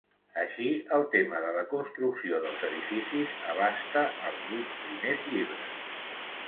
Així, el tema de la construcció dels edificis abasta els vuit primers llibres.